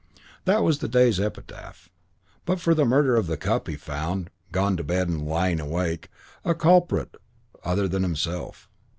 That was the day's epitaph. But for the murder of the cup he found gone to bed and lying awake a culprit other than himself.